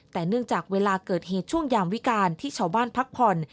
แต่เนื่องจากเวลาเกิดเหตุช่วงยามวิการที่ชาวบ้านพักผ่อน